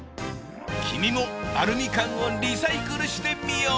君もアルミ缶をリサイクルしてみよう。